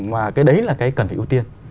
mà cái đấy là cái cần phải ưu tiên